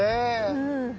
うん。